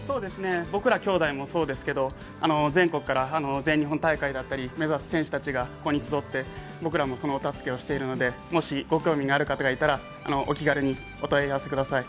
僕らきょうだいもそうですけど、全国から全日本大会を目指す選手がここに集って、僕らもその手助けをしているのでもしご興味のある方がいたらお気軽にお問い合わせください。